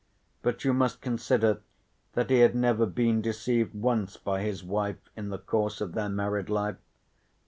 But you must consider that he had never been deceived once by his wife in the course of their married life.